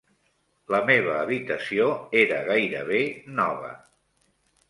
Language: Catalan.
La meva habitació era gairebé nova.